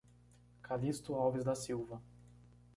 Calixto Alves da Silva